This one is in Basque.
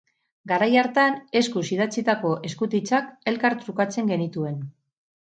Garai hartan eskuz idatzitako eskutitzak elkar trukatzen genituen.